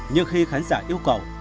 nhưng khi khán giả yêu cầu